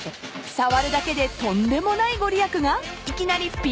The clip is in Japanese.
［触るだけでとんでもない御利益が］